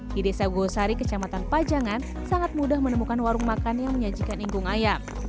di desa gosari kecamatan pajangan sangat mudah menemukan warung makan yang menyajikan ingkung ayam